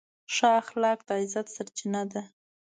ښه اخلاق د عزت سرچینه ده.